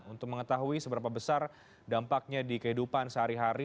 untuk mengetahui seberapa besar dampaknya di kehidupan sehari hari